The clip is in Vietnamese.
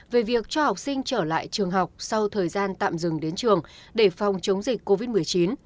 về việc cho học sinh trở lại trường học sau thời gian tạm dừng đến trường để phòng chống dịch covid một mươi chín